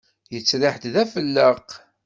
Yettriḥ-d d afelleq.